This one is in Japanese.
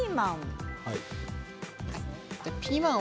ピーマン。